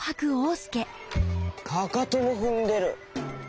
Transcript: かかともふんでる。